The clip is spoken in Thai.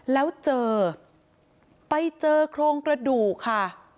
แล้วเจอไปเจอโครงกระดูกค่ะ